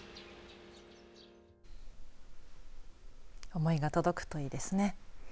思いが届くといいですね。